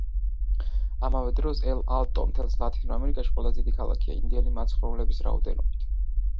ამავე დროს, ელ–ალტო მთელს ლათინურ ამერიკაში ყველაზე დიდი ქალაქია ინდიელი მაცხოვრებლების რაოდენობით.